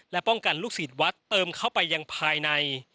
และป้องกันลูกศิษย์วัดเติมเข้าไปยังภายใน